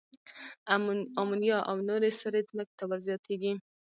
آمونیا او نورې سرې ځمکې ته ور زیاتیږي.